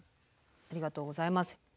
ありがとうございます。